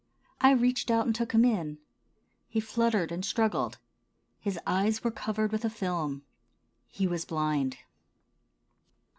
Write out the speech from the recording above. I reached out and took him in. He fluttered and struggled. His eyes were covered with a film. He was blind.